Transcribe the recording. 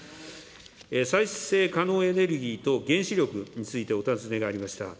再生可能エネルギーと原子力についてお尋ねがありました。